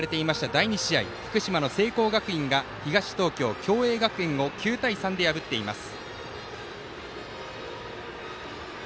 第２試合は福島の聖光学院が東東京・共栄学園を９対３で破っています。